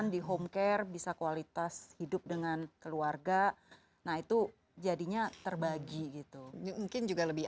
di homecare bisa kualitas hidup dengan keluarga nah itu jadinya terbagi gitu mungkin juga lebih